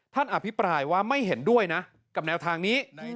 อภิปรายว่าไม่เห็นด้วยนะกับแนวทางนี้